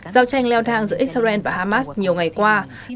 giao tranh leo thang giữa israel và hamas nhiều ngày qua